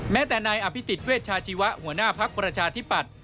แม้แต่นายอภิษฎเวชชาชีวะหัวหน้าภักดิ์ประชาธิปัตย